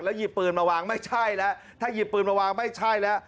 หยิบปืนมาวางไม่ใช่แล้วถ้าหยิบปืนมาวางไม่ใช่แล้ว